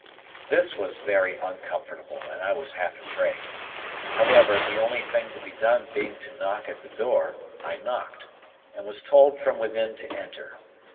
This was very uncomfortable, and I was half afraid. However, the only thing to be done being to knock at the door, I knocked, and was told from within to enter.